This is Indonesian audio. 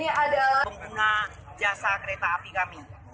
ini adalah pengguna jasa kereta api kami